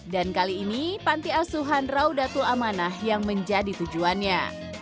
dan kali ini pantai asuhan raudatul amanah yang menjadi tujuannya